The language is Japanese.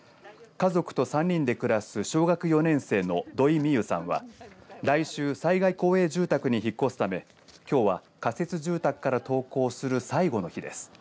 家族と３人で暮らす小学４年生の土居美結さんは来週災害公営住宅に引っ越すためきょうは仮設住宅から登校する最後の日です。